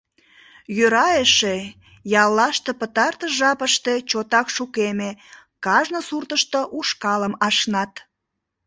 Йӧра эше, яллаште пытартыш жапыште чотак шукеме, кажне суртышто ушкалым ашнат.